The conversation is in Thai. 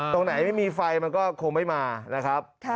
ตรงไหนไม่มีไฟมันก็คงไม่มานะครับ